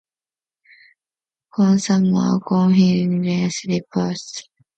Consumer Confidence Reports